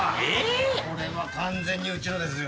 これは完全にうちのですよ。